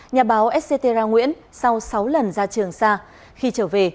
nhà báo etcetera nguyễn sau sáu lần ra trường xa khi trở về